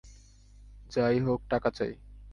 যাই হোক, টাকা চাই।